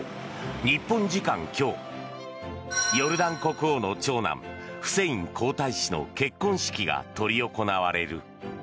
日本時間今日ヨルダン国王の長男フセイン皇太子の結婚式が執り行われる。